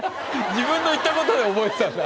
自分の言った事で覚えてたんだ。